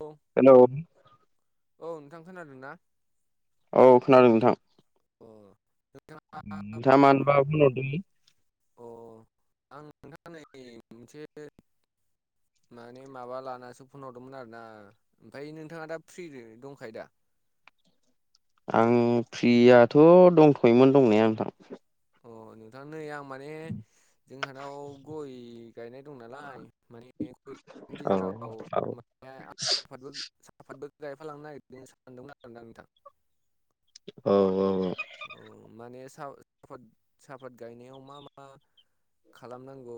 औ हेलौ औ नोंथां खोनादों ना? औ खोनादों नोंथां। अ नोंथाङा नोंथाङा मानोबा फन हरदोंमोन अ आं नोंथां नै मोनसे [unintelligible] माने माबा लानासो फन हरदोंमोन आरोना ओमफ्राय नोंथाङा दा फ्रिनो दंखायो दा? [inaudible] आं फ्रियाथ' दंथ'योमोन दंनाया नोंथां। अ नोंथां नै आं माने जोंहानाव गय गायनाय दं नालाय माने गयनि गेजेराव औ माने आफाद गायफालांनो नागिरदों सानदोंमोन आरोना नोंथां औ औ औ माने साफाद साफाद साफाद गायनायाव मा मा खालामनांगौ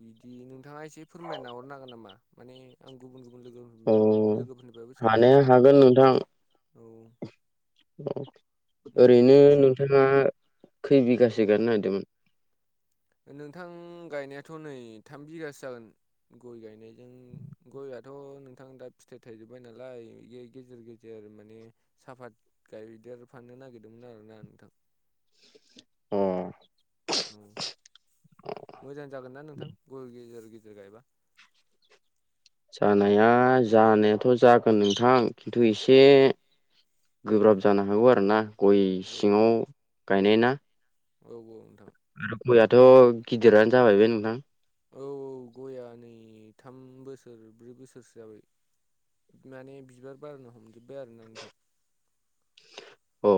बिदि नोंथाङा एसे एसे फोरमायना हर हागोन नामा माने आं गुबुन गुबुन अ लोगोफोरनिबा लोगोफोरनिफ्रायबो सोंदों हानाया हागोन नोंथां औ ओरैनो नोंथांनिफ्राय एसे नोंथाङा खै औ बिगासो गारनो नागिरदोंमोन [inaudible] नोंथां गायनायाथ नै थाम बिगासो जागोन गय गायनायजों गयआथ नोंथां दा फिथाइ थायजोबबाय नालाय बे गेजेर गेजेर माने साफात गायदेर फाननो नागिरदोंमोन आरोना नोंथां अ औ मोजां जागोननाा नोंथां गय गेजेर गदेर गायबा जानाया जानायाथ जागोन नोंथां खिन्थु एसे औ गोब्राब जानो हागौ आरो ना गय औ सिङाव गायनाय ना औ नोंथां गयाथ गिदिरानो जाबाय बे नोंथां औ औ गया नै थाम बोसोर ब्रै बोसोरसो जाबाय माने बिबार बारनो हमजोबबाय आरोना नोंथां औ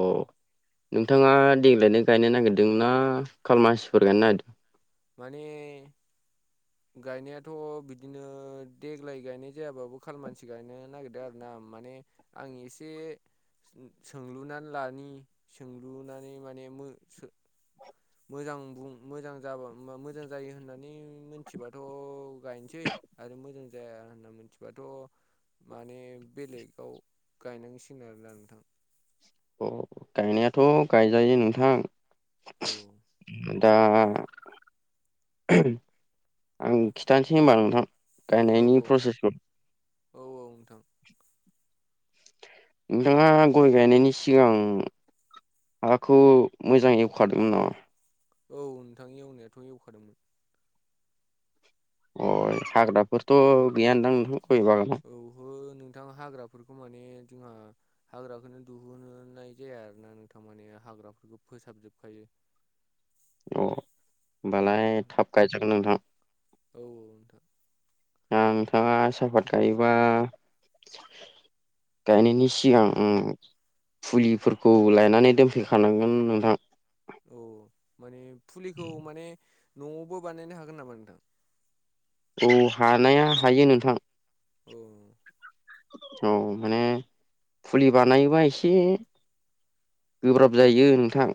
नोंथाङा देग्लायनो गायनो नागिरदोंना खालमासिफोर गायनो नागिरदों? माने गायनायाथ' बिदिनो देग्लाय गायनाय जायाबाबो खालमासि गायनो नागिरदों आरो ना आ माने आं एसे सोंलुनानै लानि सोंलुनानै माने मो सो मोजां बुं मोजां जाबा मोजां जायो होननानै मोनथिबाथ' गायनोसै आरो मोजां जाया होनना मिथिबाथ' माने बेलेगाव गायनांसिगोन आरोना नोंथां अ गायनायाथ' गायजायो नोंथां [unintelligible] दा आं खिथानोसै होनबा नोंथां औ गायनायनि प्रसेसखौ औ औ नोंथां नोंथाङा गय गायनायनि सिगां हाखौ मोजां एवखादोंमोन नामा? औ नोंथां एवनायाथ' एवखादोंमोन अ हाग्राफोरथ' गैयानदां नोंथां गय बागानाव औहो नोंथां हाग्राफोरखौ माने जोंहा हाग्राखौनो दिहुननाय जाया आरो ना नोंथां माने हाग्राफोरखौ फोसाबजोबखायो अ औ होनमबालाय नोंथां थाब गायजागोन नोंथां औ नोंथां आ नोंथाङा सापात गायोबा गायनायनि सिगां ओम फुलिफोरखौ लायनानै दोनफैखानांगोन नोंथां औ माने फुलिखौ माने नआवबो बानायनो हागोन नामा नोंथां? औ हानाया हायो नोंथां औ औ माने फुलि बानायोबा एसे गोब्राब जायो नोंथां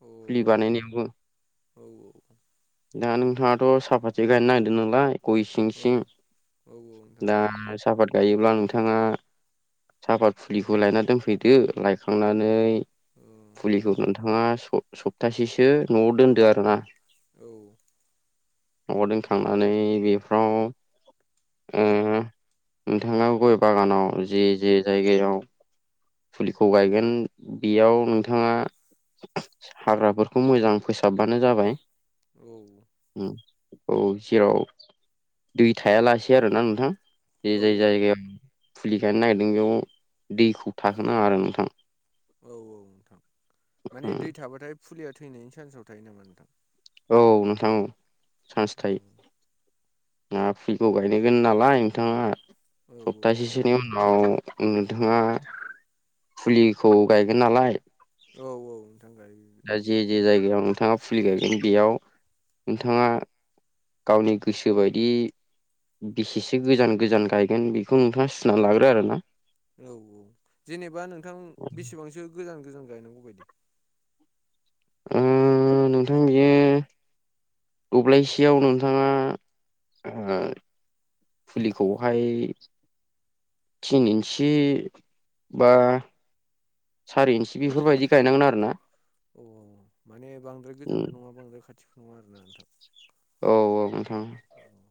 औ फुलि बानायनायावबो औ दा नोंथाङाथ' साफाथि गायनो नागिरदों नोंलाय गय सिं सिं औ औ नोंथां दा साफात गायोब्ला नोंथाङा सापात फुलिखौ लायना दोनफैदो लायखांनानै औ फुलिखौ नोंथाङा स- सप्तासेसो न'आव दोनदो आरोना औ नाव दोनखांनानै बेफ्राव ओ नोंथाङा गय बागानाव जे-जे जायगायाव फुलिखौ गायगोन बेयाव नोंथाङा हाग्राफोरखौ मोजां फोसाबबानो जाबाय औ औ जेराव दै थायालासे आरोना नोंथां जे औ जाय जायगायाव फुलि गायनो नागिरदों बेयाव दैखौ थाहो नाङा आरो नोंथां औ नोंथां माने दै थाबाथाय फुलिया थैनायनि सान्सआव थायो नामा? औ नोंथां औ सान्स औ थायो ना फुुलिखौ गायनगोन नालाय नोंथाङा औ सप्तासेसोनि उनाव उनाव नोंथाङा फुलिखौ गायगोन नालाय औ औ गायो दा जे जे जायगायाव नोंथाङा फुलि गायगोन बेयाव नोंथाङा गावनि गोसोबायदि बेसेसो गोजान गोजान गायगोन बेखौ नोंथाङा सुना लाग्रो आरोना औ औ जेनेबा नोंथां बेसेबांसो गोजान गोजान गायनांगौ बायदि ओ नोंथां बियो दब्लायसेयाव नोंथाङा ओ फुलिखौहाय। थिन इन्सि बा सारि इन्स बेफोरबायदि गायनांगोन आरोना। औ माने बांद्राय गोजानबो नङा बांद्राय खाथिबो नङा आरोना नोंथां। औ-औ नोंथां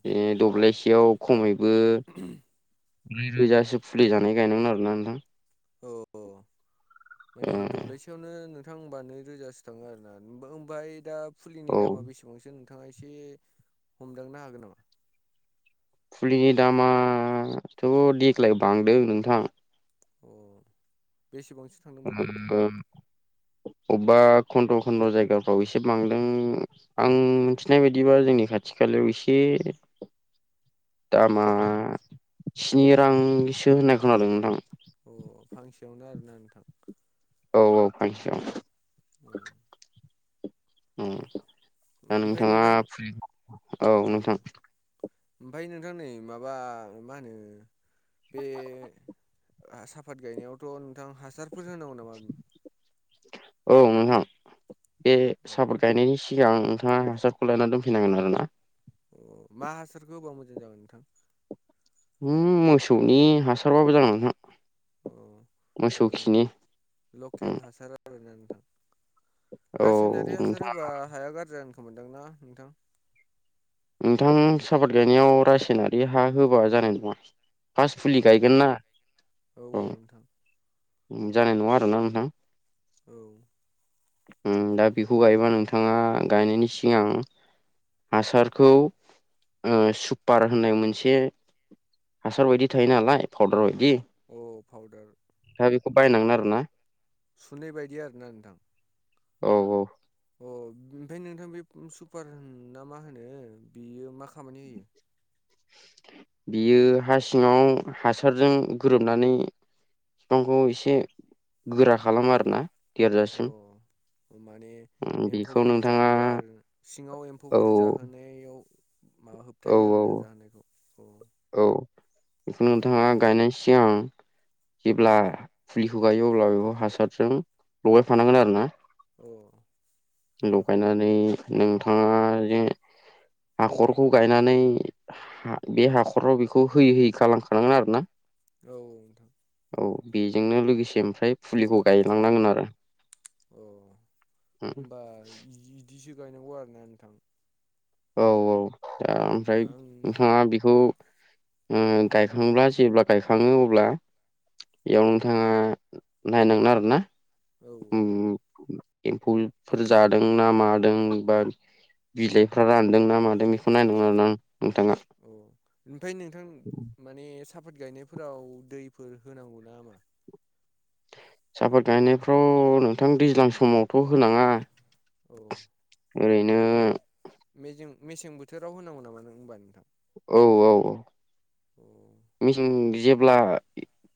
बे दब्लायसेयाव खमैबो। ब्रै रोजासो फुलि जानाय गायनमोन आरोना नोंथां। अ-अ माने ओ दब्लायसेयावनो। नोंथां होमबा नै रोजासो थाङो आरोना ओमफ्राय दा फुलिनि औ दामा बेसेबांसो नों नोंथाङा एसे हमदांनो हागोन नामा? फुलिनि दामाथ' देग्लाय बांदों नोंथां। अ बेसेबांसो थांदों बायदि नोंथां। अबेबा खन्द' खन्द' जायगाफ्राव एसे बांदों आं मिथिनाय बायदिबा जोंनि खाथियाव। खालायाव एसे। [inaudible] दामा स्नि रांसो होननाय खोनादों नोंथां। अ फांसेयावनो आरोना नोंथां। औ औ फांसेयाव। दा ओमफ्राय नोंथाङा नोंथां फु औ नोंथां। ओमफ्राय नै माबा मा होनो। बे साफात गायनायावथ' नोंथां हासारफोर होनांगौ नामा? औ नोंथां बे सापात गायनायनि सि गां आं नोंथाङा हासारखौ लायनानै दोनफैनांगोन आरोना। मा हासारखौ होबा मोजां जागोन नोंथां। मोसौनि हासारबाबो जागोन नोंथां। अ मोसौ माने खिनि लकेल ओम। हासार आरोना नोंथां रासायनारि हासार नोंथां होबा हाया गारजि जागोन खोमा होनदां नोंथां। नोंथां साफाद गायनायाव रासायनारि हा होबा जानाय नङा। फास फुलि माने गायगोन ना औ। जानाय नङा आरोना नोंथां‌। औ। दा बेखौ गायोबा नोंथाङा गायनायनि सिगां। हासारखौ सुपार होननाय मोनसे। हासार बायदि थायो नालाय फाउदार बायदि। औ फउदार। दा बेखौ बायनांगोन आरो ना। सुनाय बायदि आरोना नोंथां। औ औ। अ ओमफ्राय नोंथां बे सुपारा मा होनो बियो मा खामानि होयो। बियो हा सिङाव हासारजों गोरोबनानै। बिफांखौ एसे गोरा खालामो आरोना देरजासिम। माने उम, बेखौ एम्फौफोर नोंथाङा जाहोआ आरो सिङाव औ एम्फौफोर जाहोनायाव। माबा औ होबथायो औ आरोना जाहायखौ। औ बेखौनो अ नोंथाङा गायनां सिगांं। जेब्ला फुलिखौ गायो अब्ला बेखौ हासारजों लगायफानांगोन आरोना। औ। लगायनानै नोंथाङा जे हाखरखौ गायनानै बे हाखराव बेखौ होयै होयै खालामखानांगोन आरोना। औ नोंथां। औ बेजोंनो लोगोसे ओमफ्राय फुलिखौ गायलांनांगोन आरो। उम बिदिसो गायनांगौ आरोना नोंथां औ औ दा ओमफ्राय आं नोंथाङा बेखौ औ गायखांब्ला जेब्ला गायखाङो अब्ला बेयाव नोंथाङा नायनांगोन आरोना औ एम्फौफोर जादों ना मादों बा बिलाइफ्रा रानदों ना मादों बेखौ नायनांगौ आरोना नो औ ओमफ्राय नोंथां माने साफात गायनायफोराव दैफोर होनांगौ ना मा सापाद गायनायफ्राव नोंथां दैज्लां समावथ होनाङा औ ओरैनो मेसें मेसें बोथोराव होनांगौ नामा नों होनबा नोंथां औ औ औ [inaudible] मेसें जेब्ला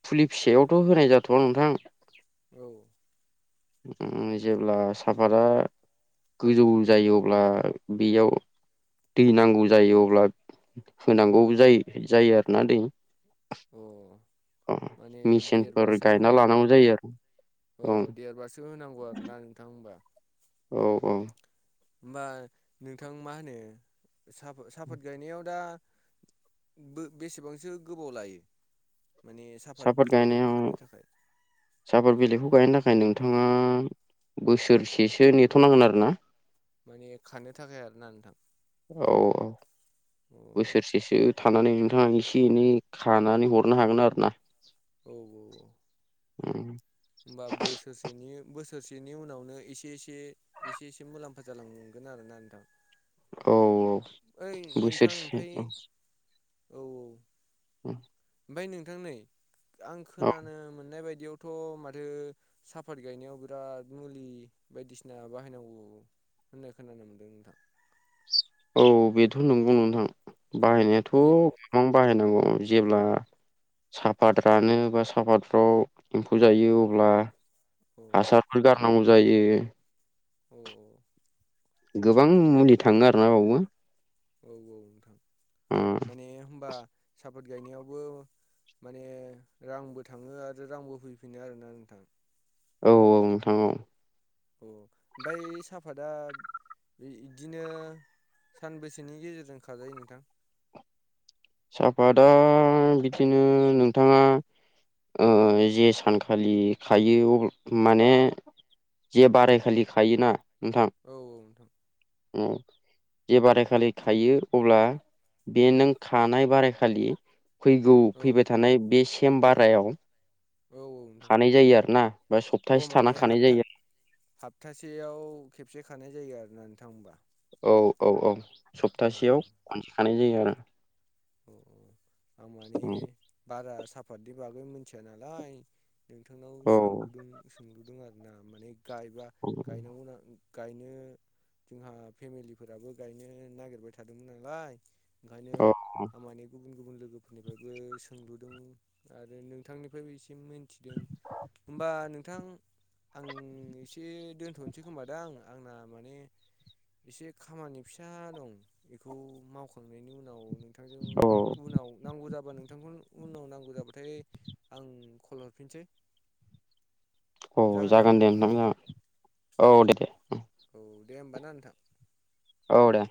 फुलि फिसायावथ होनाय जाथवा नोंथां औ जेब्ला साफातआ गोजौ जायो अब्ला बेयाव दै नांगौ जायो अब्ला होनांगौ जायो जायो आरोना दै अ अ माने मेसिनफोर देरबासो गायना होनांगौ लानांगौ जायो आरो औ देरबासो होनांगौ आरोना नोंथां होनबा औ औ होमबा नोंथां मा होनो साफ साफात गायनायाव दा बेसेबांसो गोबाव लायो माने साफात सापात बिलाइखौ गायनायाव खानो थाखाय सापात बिलाइखौ गायनो थाखाय नों नोंथाङा बोसोरसेसो नेथनांगोन आरोना माने खानो थाखाय आरोना नोंथां औ औ अ औ बोसोरसेसो थां खानानै नोंथाङा एसे एनै खानानै हरनो हागोन आरो ना औ औ उम होमबा बोसोरसेनि बोसोर बोसोरसेनि उनावनो एसे एसे एसे एसे मुलाम्फा जालांगोन आरोना नोंथां औ औ ओइ नोंथां बोसोरसे ओमफ्राय औ औ उम ओमफ्राय नोंथां नै आं खोनानो मोननाय बायदियाव थ' माथो साफात गायनायाव बिराद मुलि बायदिसिना बाहायनांगौ होननाय खोनानो मोनदों नोंथां औ बेथ' नंगौ नोंथां बाहायनायाथ' जे गोबां बाहायनांगौ जेब्ला सापात रानो बा सापतफ्राव एम्फौ जायो अब्ला अ औ हासारफोर गारनांगौ जायो। औ गोबां मुलि थाङो आरोना बावबो औ औ नोंथां ओ माने होनबा सापात गायनायावबो माने रांबो थाङो आरो रांबो फैफिनो आरोना नोंथां औ औ नोंथां औ अ ओमफ्राय साफादा बे इदिनो सानबैसेनि गेजेरजों खाजायो नोंथां साफादआ बिदिनो नोंथाङा जे सानखालि खायो माने जे बाराय खालि खायोना औ औ नोंथां उम जे बारायखालि खायो अब्ला बेनो थानाय बाराय खालि फैगौ औ फैबाय थानाय बे सेम बारायाव औ नोंथां थानाय जायो आरोना बा सप्तासे थाना खानाय जायो। हाप्थासेयाव खेबसे खानाय जायो आरोना नोंथां होमबा। औ औ औ अ सप्तासेयाव खनसे खानाय जायो आरो। अ आं माने बारा साफतनि बागै मिथिया नालाय। नोंथांनाव औ सोंलुदों सोंलुदों आरो ना माने गायबा औ गायनांगौना। गायनो जोंहा फेमिलिफोराबो गायनो नागिरबाय थादोंमोन नालाय। ओंखायनो औ आं माने गुबुन गुबुन लोगोफोरनिफ्राय बो सोंलुदों आरो नोंथांनिफ्रायबो एसे मोनथिनो लुगैदों। होमबा नोंथां आं एसे दोनथ'नोसै खोमादां आंना माने एसे खामानि फिसा दं बेखौ मावखांनायनि उनाव नोंथांजों औ उनाव नांगौ जाबा नोंथांखौनो उनाव नांगौ जाबाथाय आं कल हरफिनसै। औ जागोन दे नोंथां जागोन औ दे दे औ दे होमबा ना नोंथां औ दे